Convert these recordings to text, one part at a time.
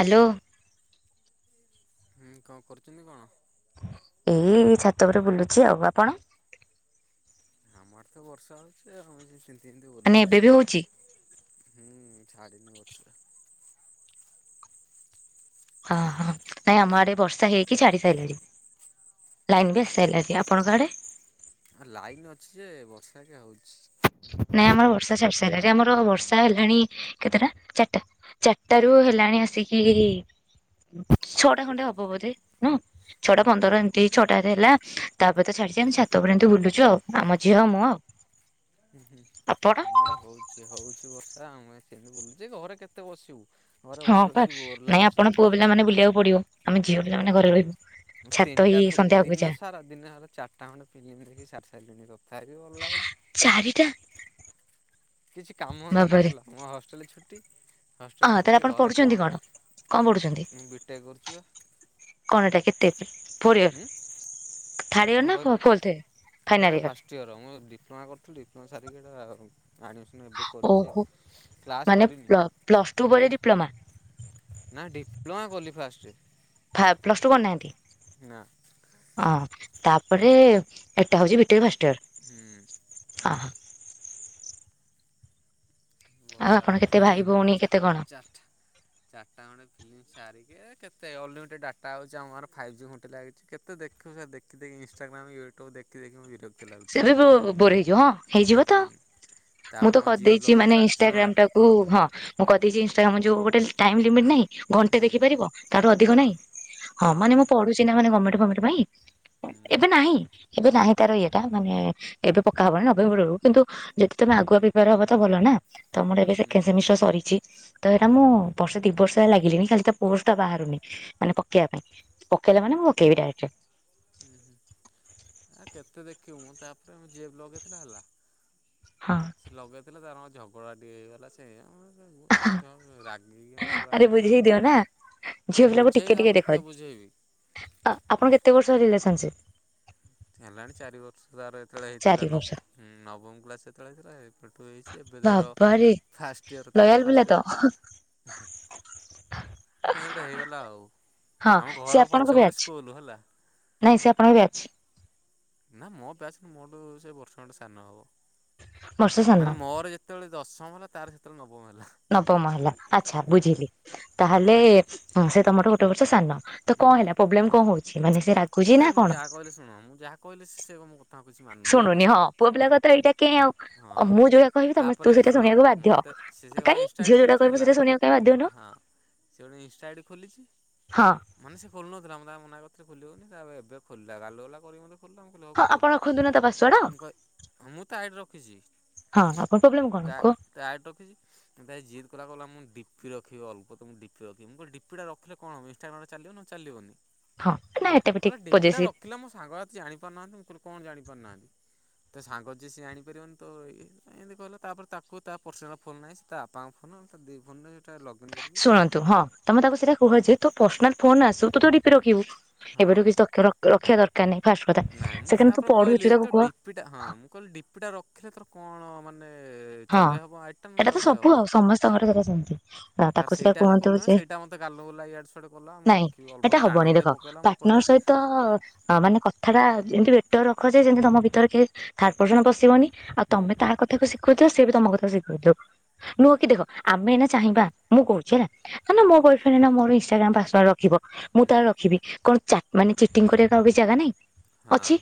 Hello. ହୁଁ କ କରୁଚନ୍ତି କଣ? ଏଇ ଛାତ ଉପରେ ବୁଲୁଚି ଆଉ ଆପଣ ଆମର ତ ବର୍ଷା ହଉଚି ଆମେ ସେ ତିନ୍ତି ତିନ୍ତି ମାନେ ଏବେ ବୁଲୁଚୁ। ବି ହଉଛି ହୁଁ ଛାଡ଼ିନି ବର୍ଷା। ହଁ ହଁ ନାଇଁ ଆମ ଆଡେ ବର୍ଷା ହେଇକି ଛାଡି ସାଇଲାଣି। ଲାଇନ ବି ଆସିସାଇଲାନି ଆପଣଙ୍କ ଆଡେ ଆ ଲାଇନ୍ ଅଛି ଯେ ବର୍ଷା କେ ହଉଚି। ନାଇଁ ଆମର ବର୍ଷା ଛାଡ଼ି ସାରିଲାଣି ଆମର ବର୍ଷା ହେଲାଣି କେତେଟା ଚାରଟା। ଚାରଟା ରୁ ହେଲାଣି ଆସିକି ଛଅଟା ଖଣ୍ଡେ ହବ ବୋଧେ ନୁ। ଛଅଟା ପନ୍ଦର ଏମିତି ଛଅଟା ରେ ହେଲା ତାପରେ ତ ଛାଡିଛି ଆମେ ଛାତ ପରେ ଏମତି ବୁଲୁଚୁ ଆଉ ଆମ ଝିଅ ମୁଁ ଆଉ। ହୁଁ ହୁଁ ଆପଣ? ଆମ ଆଡେ ହଉଚି ହଉଚି ବର୍ଷା ଆମେ ସେମିତି ବୁଲୁଚି ଘରେ କେତେ ବସିବୁ। ଘରେ ବସି ବସି ବୋର ଲାଗୁଚି। ପିଲାମାନେ ବୁଲିବାକୁ ପଡ଼ିବ ଆମେ ଝିଅ ପିଲାମାନେ ଘରେ ରହିବୁ। ମୁଁ ଛାତ ତିନଟା ଏଇ ସନ୍ଧ୍ୟା ଫିଲି ହବାକୁ ଦିନ ଯାହା ସାରା ଦିନ ସାରା ଚାରିଟା ଖଣ୍ଡେ ପିଲମି ଦେଖି ସାରି ସାରିଲିଣି ତଥାପି ଭଲ ଲାଗୁନି। ଚାରିଟା କିଛି କାମ ଧନ୍ଦା ନାହିଁ ବାବାରେ। ହେଲା ମୋ ହଷ୍ଟେଲ ଛୁଟି। ହଷ୍ଟେଲ ହଁ ତାହେଲେ ଛୁଟି ଆପଣ ଘରେ ପଢୁଛନ୍ତି କଣ କଣ ମୁଁ ବିଟେକେ କରୁଚି ବା। କଣଟା କେତେ ଫୋର୍ ଉଁ ଇୟର ଥାର୍ଡ଼ ଇୟର ନା ଫୋଲଥ ୟ ଫାଇନାଲ୍ ଇୟର। ଷ୍ଟ ଇୟର ମୁଁ ଡିପ୍ଲୋମା କରିଥିଲୁ ଡିପ୍ଲମା ସାରିକି ଏଟା ଆଡ଼ମିଶନ। କରିଛି ଆଉ। ଓହୋ କ୍ଲାସ୍ ମାନେ କରିନି। ପ୍ଲସ ଟୁ ପରେ ଡିପ୍ଲୋମା ନା ଡିପ୍ଲୋମା କଲି ଫାଷ୍ଟ୍। ଫା ପ୍ଲସ୍ ଟୁ କରିନାହାନ୍ତି? ନା। ଅଁ ତାପରେ ଏଟା ହଉଛି ବି ଟେକ୍ ଫାଷ୍ଟ ଇୟର? ହୁଁ। ଅ। ଆଉ ବର୍ଷା ଆପଣ କେତେ ହଉଛି ଭାଇ ଭଉଣୀ କେତେ ଚାର୍ କଣ? ଚାରିଟା ଚାରିଟା ଗଣ୍ଡେ ଫିଲ୍ମ ସାରିକି କେତେ ଅଲଲିିମିଟେ ଡାଟା ହେଉଛି ଆମର ଫାଇଭ୍ ଜି ଗୋଟେ ଲାଗିଛି। କେତେ ଦେଖୁ ସେ ଦେଖି ଦେଖି ଇଷ୍ଟାଗ୍ରା ୟୁଟ୍ୟୁବ୍ ଦେଖି ଦେଖି ମୁଁ ବିର ସେ ବି ବୋର ହେଇଯିବ ହଁ ହେଇଯିବ ତ ହୁଁ ମୁଁ ତାପରେ ତ ମୋ ଜିଏଫ୍ କରିଦେଇଛି ମାନେ ଲଗେଇଥିଲା ଶୁଣ ଇନଷ୍ଟଟାଗ୍ରାମ ଟା କୁ ହଁ ମୁଁ କରିଦେଇଛି ଇନଷ୍ଟାଗ୍ରାମ ଯୋଉ ଗୋଟେ ଟାଇମ୍ ଲିମିଟ୍ ନାହିଁ ଘଣ୍ଟେ ହୁଁ ଦେଖି ପାରିବ ତାରୁ ହଁ। ହଁ ଅଧିକ ନାହିଁ ହଁ ମାନେ ମୁଁ ପଢୁଛି ନା ମାନେ ଗମେଟ ଫମେଟ୍ ପାଇଁ ହୁଁ ଏବେ ନାହିଁ ଏବେ ନାହିଁ ତାର ଇଏ ମାନେ ଏବେ ପକା ହବନି ନଭେମ୍ବର ରୁ କିନ୍ତୁ ଯଦି ତମେ ଆଗୁଆ ପିପାର ହବ ତ ଭଲ ନା। ତମର ଏବେ ହୁଁ ସେକେଣ୍ଡ ସେମିଷ୍ଟର ସରିଛି ତ ଏଇଟା ମୁଁ ବର୍ଷେ ଦି ବର୍ଷ ହେଲା ଲାଗିଲିଣିି ଖାଲି ତ ପୋଷ୍ଟଟା ବାହାରୁନି ମାନେ ପକେଇବା ପାଇଁ। ପକେଇଲେ ମାନେ ମୁଁ ପକେଇି ଡାଇରେକ୍ଟ। ହୁଁ ହୁଁ ଆ କେତେ ଦେଖିବୁ ମୁଁ ତାପରେ ଯିଏ ଲଗେଇଥିଲ ହେଲା। ହଁ। ସେ ଲଗେଇଥିଲେ ତାଙ୍କର କଣ ଝଗଡ଼ାଟିଏ ହେଇଗଲା ସେ ସେଇ ରାଗିକି ଆରେ ସେ ବୁଝେଇ ଦିଅ ନା ଝିଅ ପିଲାକୁ ଟିକେ ବୁଝେଇବି ଟିକେ ଆଉ ଦେଖ କେତେ ବୁଝେଇବି? ଆପଣ କେତେ ବର୍ଷ ରିଲେସନସିପ? ହେଲାଣି ଚାରି ବର୍ଷ ତାର ଯେତେବେଳେ ଚାରି ହେଇଥିଲା ବର୍ଷ ନବ ନବମ କ୍ଲାସ ଯେତେବେଳେ ହେଇଥିଲା ଏବେଠୁ ହେଇଛି ଏବେ ତାର ବାବାରେ ଫାଷ୍ଟ ୟର ତାର ଲୟାଲ ଏବେ ପିଲା ଫାଷ୍ଟ ତ ୟର୍। କେନ୍ ଗୋଟେ ହେଇଗଲା ଆଉ ହଁ ଆମ ସେ ଘର ଆପଣଙ୍କ ପଛ ଗଟେ ବ୍ୟାଚ୍ ସ୍କୁଲ ହେଲା ନାଇଁ ସେ ଆପଣଙ୍କ ବି ଅଛି। ନା ମୋ ପ୍ୟାସ ମୋଠୁ ସେ ବର୍ଷ ଗଟେ ସାନ ହବ ବର୍ଷେ ସାନ ମାନେ ମୋର ଯେ ତେବେଳେ ଦଶମ ହେଲା ତାର ସେତେଳେ ନବମ ହେଲା। ନବମ ହେଲା ଆଚ୍ଛା ବୁଝିଲି ତାହେଲେ ସେ ତମର ଗୋଟେ ବର୍ଷ ସାନ। ତ କଣ ହେଲା ପ୍ରୋବ୍ଲେମ କଣ ହଉଛି ମାନେ ସେ ରାଗୁଛି ନା କଣ? କହିଲେ ଶୁଣ ମୁଁ ଯାହା କହିଲି ସେ କ ଶୁଣୁନି ହଁ ପୁଅ ପିଲା କ ତ ଏଇଟା କେ ଆଉ। ଓଉ ହଁ ମୁଁ ଯୋଉଟା କହିବି ତମେ ତାପରେ ତୁ ସେଇଟା ଶୁଣ ଶୁଣକୁ ବାଧ୍ୟ ମୋତେ ସେ ସେ ଗୋଟେ କାଇଁ ଇନଷ୍ଟା ଝିଅ ଆଇଡ଼ି ଖୋଲିଛି ଯୋଉଟାହିବୁ ହେଲା ସେଇଟା ଶୁଣିବା ହଁ ସେ ଗୋଟେ ଇଷ୍ଟା ଆଇଡି ଖୋଲିଛି ହଁ ମାନେ ସେ ଖୋଲୁନଥିଲା ମୁଁ ତାକୁ ମନାକରିଥିଲେ ଖୋଲିବୁନି ତାପରେ ଏବେ ଖୋଲିଲା ଗାଲୁ ଗୁଲାକରିକି ମୋତେ ଖୋଲିଲା ମୁଁ ଲ ହଁ ଆପଣ ରଖନ୍ତୁ ନା ତା ପାସୱାର୍ଡ ମୁ ମୁଁ ତ ଆଇଡ ର ଜ ହଁ ଆପଣ ପ୍ରୋବ୍ଲେମ କଣ ତା କୁହ ତା ରଖିଛି ଜିଦ କଲା କ ଗଲା ମୁଁ ଡିପି ରଖିବ ଅଳ୍ପ ତ ମୁ ଡିପି ରଖିବିଁ କ ଡିପି ଟା ରଖିଲି। କଣ ହବ ଇଷ୍ଟାଗ୍ରାମ ରେ ଚାଲିବ ଚାଲିବନି ହଁ ନା ଏଟା ବି ଠିକ କହିଲେ ଡେପି ଟା ପଜେସିଭ ରଖିଲା ମୋ ସାଙ୍ଗ ଜାଣିପାରୁନାହାନ୍ତି ମୁଁ କହିଲି କଣ ଜାଣି ପାରୁନାହାନ୍ତି ତ ସାଙ୍ଗ ଯିଏିଏଣି। ାରି ତ ଏମତି କହିଲ ତାପରେ ତାକୁ ତା ପର୍ସନାଲ ଫୋନ ନାହିଁ ସେ ତାପାଙ୍କ ଫୋନ ତା ଦି ଫୋନ ା ଲଗ ଇନ୍ କରିବି। ଶୁଣନ୍ତୁ ହଁ ତମେ ତାକୁ ସେଇଟା କୁହଯେ ତୋପର୍ସନାଲ ଫୋନ୍ ଆସୁ ତୁତୋ ଡିପି ରଖିବୁ ହଁ ଏବେଠୁ କିଛି ଦରକାର ରଖିବା ଦରକାର୍ ନାହିଁ ଫାଷ୍ଟ୍ କଥା ନାଇଁ ମୁଁ ସେକେଣ୍ଡେ ତୁ ତାପରେ କହିଲି ପଢୁଚୁ ତ ତାକୁ କୁହ ଡିପିଟା ହଁ ମୁଁ କହିଲି ଡିପିଟା ରଖିଲେ ତୋର କଣ ମାନେ ହଁ ଚଲେଇହବ ଆଇଡିଟା ନହେଲେ ଏଇଟା ତ ସବୁ ଆଉ ଚଲେଇହବନି ସମସ୍ତଙ୍କର ଘରେ ସେରା ସେମିତି ତାର ତାକୁ ସେଟା ସେଇଟା ହେଲା କୁହନ୍ତୁ ପ୍ରୋବ୍ଲେମ୍ ଯେ ସେଇଟା ଗାଲୁଗୁଲା ଇଆଡ଼ୁ ସିଆଡୁ କଲା ମୁରଖିବି ଅଲବତ ରାଣରୁଣୀ ପକେଇଲା ମୁଁ କହିଲି ନର୍ସ ସହିତ ତାମାନେ କ କଥାଟା ଏମିତି ପେଟରେ ରଖଯେ ଯେମିତି ତମ ଭିତରେ କେହି ଥାର୍ଡ ପର୍ସନ୍ ପସିବନି ଆଉ ହୁଁ ତମେ ତାହା କଥାକୁ ଶି କହିଥିଲ ସିଏବି ତମକଥା ଶିଖେଇଥିଲୁ ନୁହଁକି ଦେହ ଆମେ ଏଇନା ଚାହିଁବା ମୁଁ କହୁଚି ହେଲା ହୁଁ ଧରିନିଅ ମୋ ବୟେଫ୍ରେଣ୍ଡ ମୋର ଇଷ୍ଟାଗ୍ରାମ ପାସୱାଡ଼ ରଖିବ ମୁଁ ତାର ହୁଁ ରଖିବି କଣ ଚା ମାନେ ଚିଟିଙ୍ଗ କରିବାକୁ ଆଉ କିଛି ଜାଗା ନାହିଁ ହଁ ଅଛି।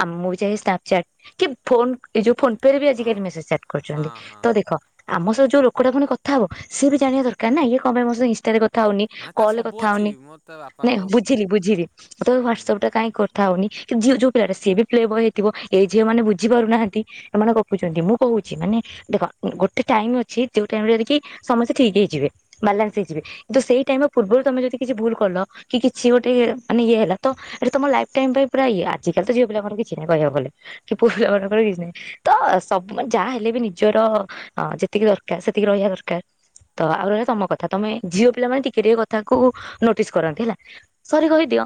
ଆଉ ମୁଁବି ଚାହେ ସ୍ନାପଚାଟ କିଫୋନ୍ ଯୋଉ ଫୋନ୍ ପେରେବି ହଁ ଆଜିକାଲି ମେସେଞ୍ଜଚାଟ୍ ହଁ କରୁଚନ୍ତି ହଁ ତଦେ ଖ ଆମସହ ଯୋଉ ଲୋକଟା ପୁଣି କଥା ହବ ସିଏବି ହୁଁ। ଜାଣିବା ଦରକାରନା ଇଏ କଣ ପାଇଁ ମୋସହିତ ଇଷ୍ଟାରେ କ କଥା ହଉନି ନାଇଁ ତାର କଲରେ ସବୁ କଥା ଅଛି ହଉନି ମୋର ତା ବାପାଙ୍କ ନାଇଁ ବୁଝିଲି ବୁଝିଲି ତୋର ହୁଁ ହ୍ୱାଟସପଟା କାଇଁ କ କଥା ହଉନି କିଯିଏ ଯୋଉ ପିଲାଟା ସିଏବି ପ୍ଲେବୟ ହେଇଥିବ ଏଇ ଝିଅମାନେ ବୁଝିପାରୁନାହାନ୍ତି ଏମାନେ ଗପୁଚନ୍ତି ମୁଁ କୋହୁଚି ମାନେ ଦେଖ ଗୋଟେ ଟାଇମ୍ ଅଛି ଯୋଉ ଟାଇମରେକି ସମସ୍ତେ ଠିକ୍ ହେଇଯିବେ। ବାଲାନ୍ସ ହୁଁ ହେଇଯିବେ କିନ୍ତୁ ସେଇ ଟାଇମର ପୂର୍ବରୁ ତମେ ଯଦି କିଛି ଭୁଲକଲ କିଛି ଗୋଟେ ଇଏ ମାନେ ଇଏ ହେଲା ତଏଠି ତମ ଲାଇଫ୍ ଟାଇମ୍ ପାଇଁ ପୁରା ଇଏ ଆଜିକାଲିତ ଝିଅ ପିଲାଙ୍କର କିଛି ନାହିଁ କହିବାକୁଗଲେ ହୁଁ ପୁଅପିଲା ମାନଙ୍କର କିଛି ନାହିଁ ତସ ମାନେ ଯାହା ହେଲେବି ନିଜର ଯେତିକି ଦରକାର୍ ସେତିକି ରହିବା ଦରକାର ତ ଆଉ ରହିଲା ତମ କଥା ତମେ ଝିଅ ପିଲାମାନେ ଟିକେ ଟିକେ କଥାକୁ ନୋଟିସ୍ କରନ୍ତି ହେଲା। ସରି କହିଦିଅ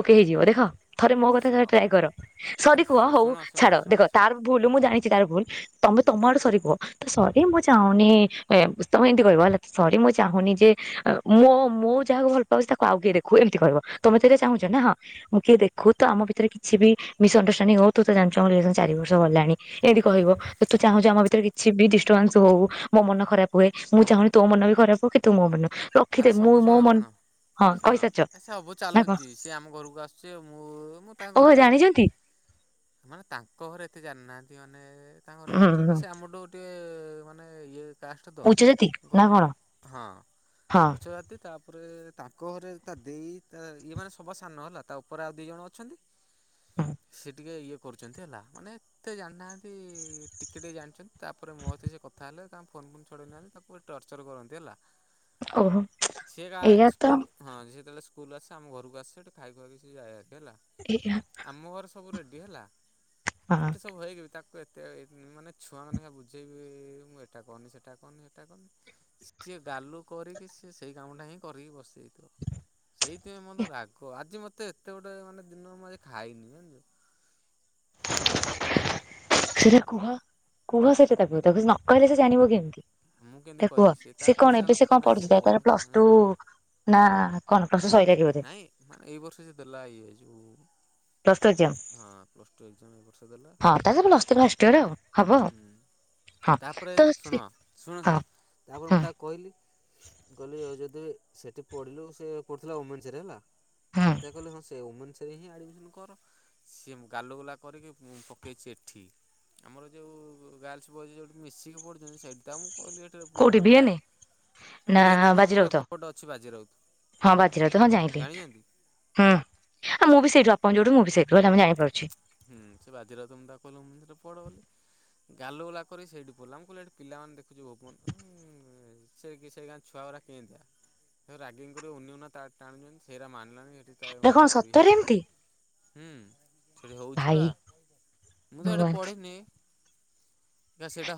ଓକେ ହେଇଯିବ ଦେଖ ଥରେ ମୋ କଥା ସ ଥରେ ଟ୍ରାଏ କର ସରି ଆରେ କୁହ ଶୁ ହଉ ଶୁଣ ଶୁଣ ଛାଡ଼ ଶୁଣ ଦେଖ ଶୁଣ ତାର ଭୁଲ୍ ମୁଁ ଜାଣିଚି ତାର ଭୁଲ୍ ତମେ ହୁଁ ତମ ଆଡ଼ୁ ସରିକୁହ। ସରି ମୁଁ ଚାହୁଁନି ଏ ତମେ ଏମିତି କହିବ ହେଲା ସରି ମୁଁ ଚାହୁଁନିଯେ ମୋ ମୁଁ ଯାହାକୁ ଭଲ ପାଉଚି ତାକୁ ଆଉକିଏ ଦେଖୁ ଏମିତି କହିବ ତମେ ସେରା ଚାହୁଁଚନା ହଁ। ମୁଁ କିଏ ଦେଖୁତ ଆମ ଭିତରେ କିଛିବି ମିସ୍ ଅଣ୍ଡରଷ୍ଟାଣ୍ଡିଙ୍ଗ ହଉ ତୁତ ଜାଣିଚୁ ଆମରିଲେସନ ଚାରି ବର୍ଷ ଗଲାଣି ଏମିତି କହିବ ତୁ ଚାହୁଁଛୁ ଆମ ଭିତରେ କିଛିବି ଡିଷ୍ଟର୍ବାନ୍ସ ହଉ ମୋମନ ଖରାପ୍ ହୁଏ ମୁଁ ଚାହୁଁନି ତୋମନବି ଖରାପ୍ ହଉକି ତୁମୋ ମନ ରଖିଦେ ଆରେ ମୁଁ ସବୁ ମୋ ଶୁଣ ମନ ଶୁଣ ହଁ ଶୁଣ କହିସାରିଛ ଏସବୁ ନା କଣ ଚାଲୁଚି ସିଏ ଆମ ଘରକୁ ଆସୁଚି ଆଉ ମୁଁ ମୁଁ ତାଙ୍କ ଓହୋ ଘରକୁ ଯାଉନି ଜାଣିଛନ୍ତି ମାନେ ତାଙ୍କ ଘରେ ଏତେ ଜାଣିନାହାନ୍ତି ମାନେ ତାଙ୍କ ହୁଁ ହୁଁ ଘରଷ୍ଟିଟ ସିଏ ଆମଠୁ ତେ ମାନେ ଇଏ କାଷ୍ଟତ ଉଚ୍ଚ ଜାତି କଁ ନା କଇଁଲ କଣ ହଁ ହଁ। ଛୋଟ ଜାତି ତାପରେ ତାଙ୍କ ଘରେ ତାଦେଇ ତାଇଏ ମାନେ ସବାସାନ ହେଲା ତାଉପରେ ଆଉ ଦିଜଣ ଅଛନ୍ତି। ସେ ଟିକେ ଇଏ କରୁଚନ୍ତି ହେଲା ମାନେ ଏତେ ଜାଣିନାହାନ୍ତି ଟିକେ ଟିକେ ଜାଣିଚନ୍ତି ତାପରେ ମୋହିତ ସେକ ତାହେଲେ ତାଙ୍କ ଫୋନ୍ ଫୋନ୍ ଛଡ଼େଇନେଇଗଲେ ତାକୁ ଟର୍ଚର କରନ୍ତି ହେଲା ଓହୋ। ସେଏ ଗା ଏଇଆ ତ ସ୍କୁଲ୍ ହଁ ସେ ଯେତେବେଳେ ସ୍କୁଲ୍ ଆସେ ଆମ ଘରକୁ ଆସେ ସେଠି ଖାଇଖୁଆକି ସିଏ ଯାଏ ହାରିକି ହେଲା। ଏୟା ଆମ ଘରେ ସବୁ ରେଡି ହେଲା ହଁ ଏତେ ସବୁ ହେଇକିବି ତା ତଏତେ ମାନେ ଛୁଆ ମାନିଙ୍କା ବୁଝେଇବି ମୁଁ ଏଟା କରନି ସେଟା କରନି ହେଟା କରନି ସି ସିଏ ଗାଲୁ କରିକି ସିଏସେଇ କାମଟାହିଁ କରିକି ବସିଯାଇଥିବ ସେଇ ଏତେ ମୋତେ ରାଗ ଆଜି ମୋତେ ଏତେ ଗୋଟେ ମାନେ ଦିନ ମୁଁ ଆଜି ଖାଇନି ଜାଣିଚୁ [inaudible] ସେଟା କୁହ କୁହ ସେ ପିଲାକୁ ତାକୁ ନକହିଲେ ସେ ଜାଣିବ କେମିତି। ମୁଁ କେମିତି ତାକୁ କୁହ କହିବି ସିଏ ତାର ସେ କଣ ପର୍ସନାଲ ଏବେ ସେ ଫୋନ୍ କଣ ନାହିଁ ସିଏ ପଢୁଛି ଫୋନ୍ ତାର କଲା ପ୍ଲସ ଆଁ ଟୁ ନା କଣ ପ୍ଲସ ଟୁ ସଇଲାଣି ବୋଧେ ନାଇଁ ମାନେ ଏଇ ବର୍ଷ ସିଏ ଦେଲା ଇଏ ଯୋଉ ପ୍ଲସ ଟୁ ଏକ୍ସାମ୍ ହଁ ପ୍ଲସ୍ ଟୁ ଏକ୍ଜାମ ଏ ବର୍ଷ ଦେଲା ହଁ ତାହେଲେ ପ୍ଲସ ଥ୍ରୀ ଫାଷ୍ଟ ଇୟର ଆଉ ହବ। ହୁଁ। ହଁ ତାପରେ ତ ସେ ଶୁଣ ଶୁଣ ହଁ ଶୁଣ ତାପରେ ମୁଁ ହଁ ତାକୁ କହିଲି ଗଲି ଅଯୋଧ୍ୟାରେ ସେଠି ପଢିଲୁ ସେ ପଢୁଥିଲା ଓମେନ୍ସରେ ହେଲା। ହଁ ସେ କହିଲେ ହଁ ସେଇ ଓମେନ୍ସରେ ହିଁ ଆଡିମିସନ କର। ସିଏ ମୁଁ ଗାଲଗୁଲା କରିକି ମୁଁ ପକେଇଛି ଏଠି। ଆମର ଯୋଉ ଗାର୍ଲସ ବଏଜ ଯୋଉଠି ମିଶିକି ପଢୁଛନ୍ତି ସେଟା ମୁଁ କହିଲି ଏ କୋଉଠି ଭିଏନେ [unintelligible] ସେ ନା ବିିଏନ ନୁହଁ ଆମର ବାଜିରାଉତ ଏପଟେ ଅଛି ବାଜି ହଁ ବାଜିରାଉତ ହଁ ରାଉତ ଜାଣିଲି ଜାଣିଚନ୍ତି। ହୁଁ ଆ ମୁଁ ବି ସେଇଠୁ ଆପଣ ଯୋଉଠୁ ମୁଁ ବି ସେଇଠୁ ହେଲା ଆମେ ଜାଣିପାରୁଛି। ହୁଁ ସେ ବାଜିରାଉତ ମୁଁ ତାକୁ କହିଲି ହୁଁ ସେଠାରେ ପଢ଼ ବୋଲି। ଗାଲୁ ଗୁଲା କରିକି ସେଇଠି ପଡ଼ିଲା ମୁଁ କହିଲି ଏଠି ପିଲାମାନେ ଦେଖୁ [unintelligible] ସେ କି ସେ ଗାଁ ଛୁଆ ଉରା କେନ୍ତିଆ ରାଗିଙ୍ଗ୍ କରିବ [unintelligible] ତା ତା ଟାଣୁଛନ୍ତି ସେରା ମାନୁ ନାହାନ୍ତି। ତାଏ ଏଟା କଣ ମାଲୁ କରିକି ସେ ସତରେ ଏମିତି ପୁଅକୁ ହୁଁ। ସେଠି ହଉଚି ଭାଇ ପା ମୁଁ ତ ହେଠି ଭଗବାନ ପଢିନି।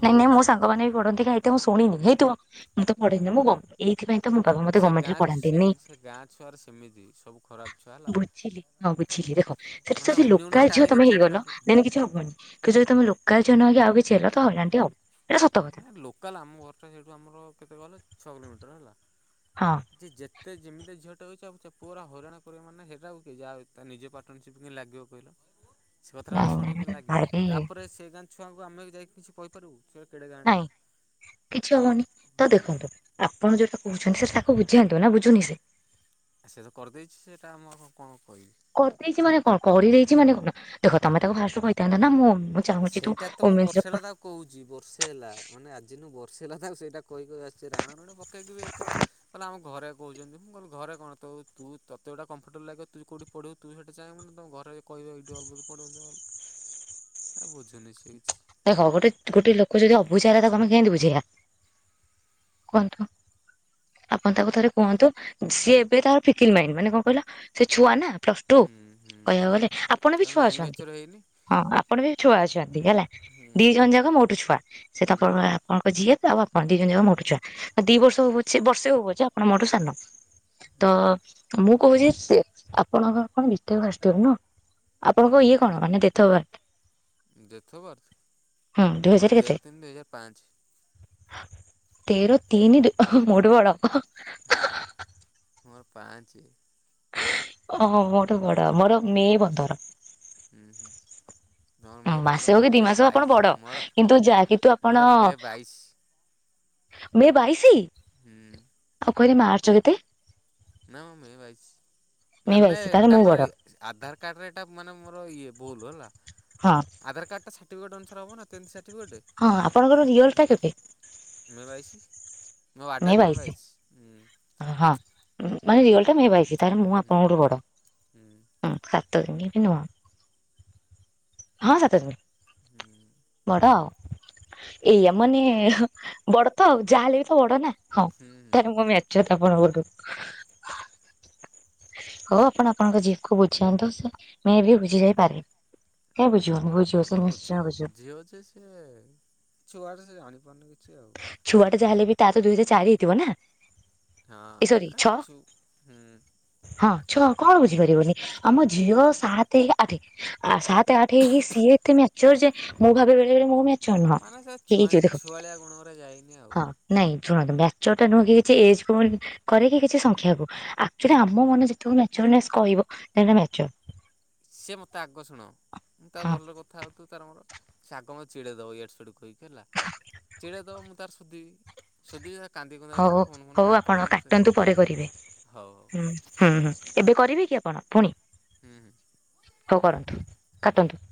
ନାଇଁ ନାଇଁ ମୋ ସାଙ୍ଗମାନେ ବି ପଢନ୍ତି କାଇଁ ମୁଁ ଏତେ ଶୁଣିନି ହେଇଥିବ ମୁଁ ତ ପଢେନି ମୋ ବୋ ଏଇଥିପାଇଁ ତ ମୋ ବାବା ମତେ ସେ ଗମେଣ୍ଟରେ ଗାଁ ସେ ପଢାନ୍ତିନି ସେ ଗାଁ ଛୁଆର ସେମିତି ସବୁ ଖରାପ ଛୁଆ ହେଲା ବୁଝିଲି। ହଁ ବୁଝିଲି ଦେଖ ସେଠି ମାନେ ଯଦି ଉନି ଉନା ଲୋକାଲ ଝିଅ ଟାଣିକି ତମେ ହେଇଗଲ ପିଲାଙ୍କର ଦେନ୍ କିଛି ହବନି। କି ଯଦି ତମ ଲୋକାଲ ଝିଅ ନହେଇକି ଆଉ କିଛି ହେଲ ତ ହଇରାଣଟି ହବ। ଏଇଟା ସତ କଥା ଏ ଲୋକାଲ ଆମ ଘରଟା ସେଇଠୁ ଆମର କେତେ କହିଲେ ଛଅ କିଲୋମିଟର ହେଲା। ହଁ ଯେ ଯେତେ ଯେମିତିଆ ଝିଅଟେ ହଉଚି ଚାପୁ ଚାପୁ ପୁଅର ହଇରାଣ କରିବା ମାନେ ହେରା ଆଉ କି ଯା ଆଉ ତା ନିଜ ପା ତମେ ଚିପିକି କେମିତି ଲାଗିବ କହିଲ। ସେ କଥାଟାଳେ ନାଇଁ ଶୁଣିବୁ ନାଇଁ କେମିତି ଲାଗିବ ଭାରି ତାପରେ ସେ ଗାଁ ଛୁଆଙ୍କୁ ଆମେ ଯାଇକି କିଛି କହିପାରିବୁ ସେ କେଡ଼େ ଗାଁଟେ ନାଇଁ କିଛି ସେ ହବନି ତ ହଁ। ଦେଖନ୍ତୁ ଆପଣ ଯୋଉଟା କହୁଛନ୍ତି ସେଟା ତାକୁ ବୁଝାନ୍ତୁ ନା ବୁଝୁନି ସେ ସେ ତ କରିଦେଇଛି ସେଟା ଆମ ଆଉ କଣ କହିବି। କରିଦେଇଛି ମାନେ କଣ କରିଦେଇଛି ମାନେ କଣ ଦେଖ ତମେ ତାକୁ ଫାଷ୍ଟରୁ କହିଥାନ୍ତ ନା ମୁଁ ମୁଁ ଚାହୁଁଛି ତୁ ଓମେନ୍ସରେ ପଢ଼। କହୁଚି ବର୍ଷେ ହେଲା ମାନେ ଆଜିଠୁ ବର୍ଷେ ହେଲା ତାର ସେଇଟା କହି କହି ଆସିଛି ରାଣ ରାଣ ପ କେଇକି ବି ଏତେ କହିଲା ଆମ ଘରେ କହୁଛନ୍ତି ମୁଁ କହିଲି ଘରେ କଣ ତୋ ତୁ ତୋତେ ଯୋଉଟା କଫର୍ଟବଲ୍ ଲାଗିବ ତୁ କୋଉଁଠି ପଢ଼ିବୁ ତୁ ସେଇଟା ଚାହିଁବୁନା ତମ ଘରେ କହିବେ ଏଇଠି ଅଲବତ ପଢିବୁ ତ ଭଲ। ଆଁ ବୁଝୁନି ସେ କିଛି। ଦେଖ ଗୋଟେ ଗୋଟେ ଲୋକ ଯଦି ଅବୁଝା ହେଲା ତାକୁ ଆମେ କେମିତି ବୁଝେଇବା। କୁହନ୍ତୁ। ଆପଣ ତାକୁ ଥରେ କୁହନ୍ତୁ ସିଏ ଏବେ ତାର ଫିକିଲ୍ ମାଇଣ୍ଡ ମାନେ କଣ କହିଲ ସେ ଛୁଆ ନା। ପ୍ଲସ୍ ଟୁ ହୁଁ ହୁଁ କହିବାକୁ ଗଲେ ଆପଣ ବି ତୋର ଛୁଆ ମାଇଣ୍ଡ ଅଛନ୍ତି ମ୍ୟାଚର୍ ହେଇନି ହଁ ଆପଣ ବି ଛୁଆ ଅଛନ୍ତି ହେଲା। ହୁଁ ଦି ଜଣ ଯାକ ମୋଠୁ ଛୁଆ ସେତାଙ୍କ ହୁଁ ଆପଣଙ୍କ ଝିଆରି ଆଉ ଆପଣ ଦି ଜଣ ଯାକ ମୋଠୁ ଛୁଆ। ଦି ବର୍ଷ ହଉ ପଛେ ବର୍ଷେ ହଉ ପଛେ ଆପଣ ମୋଠୁ ସାନ। ତ ହୁଁ। ମୁଁ କହୁଚି ସେ ଆପଣଙ୍କର କଣ ବିଟେକ୍ ଫାଷ୍ଟ ଇୟର ନୁହଁ। ଆପଣଙ୍କ ଇଏ କଣ ମାନେ [unintelligible] ଡେଟ୍ଅଫ୍ ବାର୍ଥ। ହଁ ଦୁଇ ହଜାର କେତେ? ପାଞ୍ଚ। ତେର ତିନି ମୋଠୁ ବଡ। ହଁ ମୋର ପାଞ୍ଚେ। ଓହୋ ମୋଠୁ ବଡ ମୋର ମେ ହୁଁ ପନ୍ଦର ହୁଁ ହୁଁ। ତୋର ମେ ମାସେ ହଉ ପନ୍ଦର କି ମୋର ଦି ମେ ମାସ ହଉ ଆପଣ ବଡ ବାଇଶି ମୋର କିନ୍ତୁ ଯା କିନ୍ତୁ ଆପଣ ମୋର ମେ ବାଇଶି। [inaudible] ମେ ବାଇଶି ଆଉ କହିଲେ ମାର୍ଚ୍ଚ କେତେ? ନା ମୋ ମେ ବାଇଶି ମେ ମାନେ ବାଇଶି ତାହେଲେ ମୁଁ ଏଟାମେ ବଡ ଆଧାର କାର୍ଡରେ ଏଟା ମାନେ ମୋର ଇଏ ଭୁଲ ହେଲା। ହଁ। ଆଧାର କାର୍ଡଟା ସର୍ଟିଫିକେଟ ଅନୁସାରେ ହବ ନା ଟେନ୍ଥ ସାର୍ଟିଫିକେଟ। ହଁ ଆପଣଙ୍କର ରିଅଲ ଟା କେବେ ମେ ବାଇସି ମୋ ବାୱଡ ମେ ବାଇଶି। ହଁ ମାନେ ତାହେଲେ ମୁଁ ହୁଁ ଆପଣଙ୍କଠୁ ବଡ। ହୁଁ ହୁଁ ସାତ ଦିନ ବି ନୁହଁ ହଁ ସାତ ଦିନ। ହୁଁ। ବଡ ଆଉ ଏଇଆ ମାନେ ବଡ ତ ଆଉ ଯାହାହେଲେ ବି ମୁଁ ବଡ ନା। ହଁ ହୁଁ ତାେଲେ ମୁଁ ମ୍ୟଚୁଅର୍ ଆପଣ ଠୁ। ହଉ ଆପଣ ଆପଣଙ୍କ ଜିଏଫ୍ କୁ ବୁଝାନ୍ତୁ ସେ ମେ ବି ବୁଝି ଯାଇ ପାରେ କାହିଁ ବୁଝିବନି ବୁଝ ଏ ବୁଝିବ ବୁଝିିବ ଯେ ସ ଛୁଆଡ଼େ ସେ ଜାଣିପାରୁନି କିଛି ଆଉ। ଛୁଆ ଟା ଯାହାହେଲେ ବି ତା ସହିତ କିଛି ଚାଲ ହେଇଥିବ ନା। ହଁ ଏ ସରି ଛଅ ଆସଚୁ ହୁଁ। ହଁ ଛଅ କଣ ବୁଝିପାରିବନି ଆମ ଝିଅ ସାତ ଆଠ ଆଉ ସାତ ଆଠ ହେଇକି ସିଏ ଏତେ ମ୍ୟାଚର ଯେ ମୁଁ ଭାବେ ବେଳେବେଳେ ମୋ ମଚ ମାନେ ସେ ଛୁଆ ଛୁଆଳିଆ ଗୁଣଗୁରା ଯାଇନି ଆଉ। ହଁ ନାଇଁ ଶୁଣନ୍ତୁ ମ୍ୟାଚୁଅର ଟା ନୁହେଁ କିଛି ଏଜକୁ କରେ କି କିଛି ସଂଖ୍ୟା କୁ ଆକଚୁଏଲି ଆମ ମନ ଯେତେବେଳେ ମ୍ୟାଚୁଅରନେସ କହିବ ସେଟା ମ୍ୟାଚୁଅର। ସିଏ ମୋତେ ଆଗ ଶୁଣ ମୁ ତା ହଁ ଭଲ କଥା ହେଉଥିବୁ ତାର ମୋର ସେ ଆଗ ମେ ଚିଡ଼େଇ ଦେବ ଇଆଡୁ ସିଆଡୁ କହିକି। ହେଲା ଚିଡ଼େଇ ଦବ ମୁ ତାର ସୁୁଧିବି। ସୁଦିବି କାନ୍ଦି କୁନ୍ଦେଇ ହଉ କଣ ଘୁନ ଫୁନ ହଉ କାଟିିଦବ ଆପଣ ମତେ କାଟନ୍ତୁ ପରେ କରିବେ ହଉ ହଉ। ହୁଁ ହୁଁ ହୁଁ ଏବେ କରିବେ କି ଆପଣ ପୁଣି। ହୁଁ ହୁଁ। ହଉ କରନ୍ତୁ କାଟନ୍ତୁ।